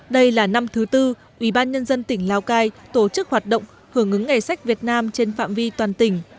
đây là năm thứ tư ủy ban nhân dân tỉnh lào cai tổ chức hoạt động hưởng ứng ngày sách việt nam trên phạm vi toàn tỉnh